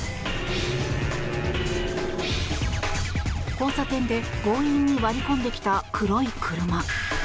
交差点で強引に割り込んできた黒い車。